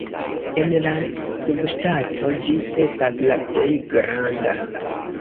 En la subŝtato ĝi estas la plej granda.